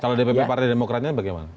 kalau dpp partai demokratnya bagaimana